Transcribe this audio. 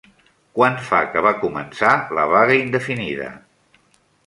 Quant fa que va començar la vaga indefinida?